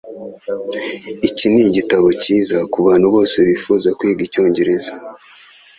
Iki nigitabo cyiza kubantu bose bifuza kwiga icyongereza.